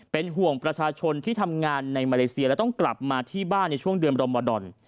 เป็นห่วงประชาชนที่ทำงานในมาเลเซียและต้องกลับมาที่บ้านในช่วงเดือนรมดอน